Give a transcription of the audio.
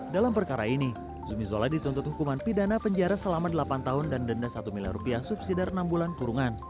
dalam perkara ini zumi zola dituntut hukuman pidana penjara selama delapan tahun dan denda satu miliar rupiah subsidi dari enam bulan kurungan